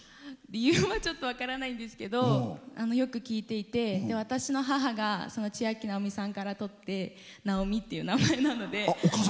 理由はちょっと分からないんですけどよく聴いていて、私の母がちあきなおみさんからとってなおみっていう名前なので。